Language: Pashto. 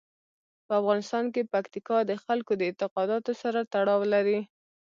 په افغانستان کې پکتیکا د خلکو د اعتقاداتو سره تړاو لري.